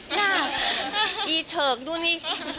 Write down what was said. หน้าอีเฉิกดูนี่